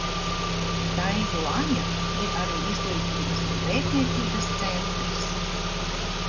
Taijuaņa ir arī izglītības un pētniecības centrs.